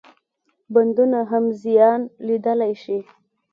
بندونه هم زیان لیدلای شي.